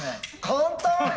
簡単！